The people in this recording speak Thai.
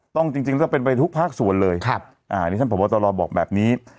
ต้องจริงต้องเป็นไปทุกภาคส่วนเลยอ่าอันนี้ท่านผู้บัตรรอบอกแบบนี้